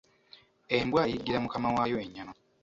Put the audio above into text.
Embwa eyiggira Mukama waayo ennyama.